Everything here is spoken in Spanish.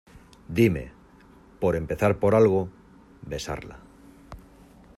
dime. por empezar por algo, besarla .